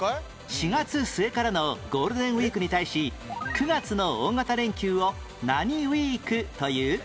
４月末からのゴールデンウィークに対し９月の大型連休を何ウィークという？